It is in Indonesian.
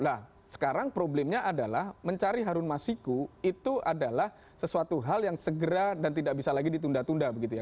nah sekarang problemnya adalah mencari harun masiku itu adalah sesuatu hal yang segera dan tidak bisa lagi ditunda tunda begitu ya